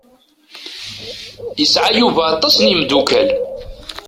Yesɛa Yuba aṭas n yimeddukal.